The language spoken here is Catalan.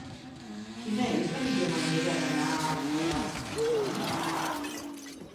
Quina és la millor manera d'anar a Alfarràs amb tren?